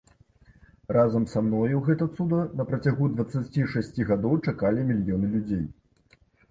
Разам са мною гэта цуда напрацягу дваццаці шасці гадоў чакалі мільёны людзей!